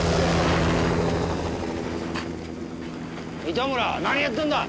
糸村何やってんだ！